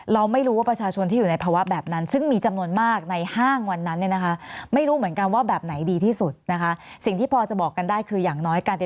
เราไม่รู้ว่าประชาชนที่อยู่ในปัจวะแบบนั้น